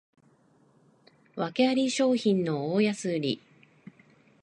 わけあり商品の大安売り